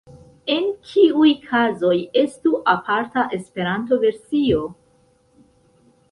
En kiuj kazoj estu aparta Esperanto-versio?